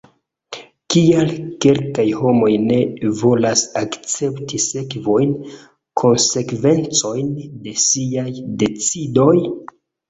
Kial kelkaj homoj ne volas akcepti sekvojn, konsekvencojn de siaj decidoj?